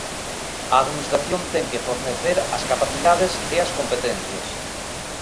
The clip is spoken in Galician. A Administración ten que fornecer as capacidades e as competencias.